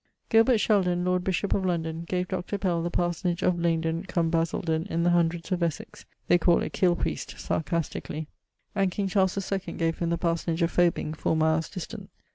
Gilbert Sheldon, Lord Bishop of London, gave Dr. Pell the parsonage of Lanedon[C] cum Basseldon in the Hundreds of Essex (they call it kill priest, sarcastically); and king Charles the Second gave him the parsonage of Fobing[XLIX.], 4 miles distant.